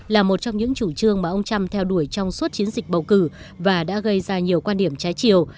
là một trong những chủ trương mà ông trump theo đuổi trong suốt chiến dịch bầu cử và đã gây ra nhiều quan điểm trái chiều